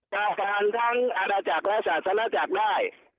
จากการทั้งอรรจักษ์และศาสนัจจักรได้